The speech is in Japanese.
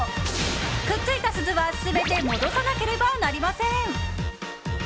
くっついた鈴は全て戻さなければなりません。